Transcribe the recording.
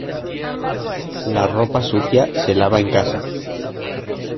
La ropa sucia se lava en casa.